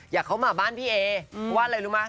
อย่าเข้ามาบ้านพี่เอ๋ว่าอะไรรู้มั้ย